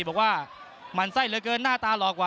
บอกว่าหมั่นไส้เหลือเกินหน้าตาหลอกกว่า